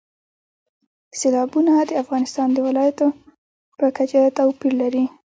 سیلابونه د افغانستان د ولایاتو په کچه توپیر لري.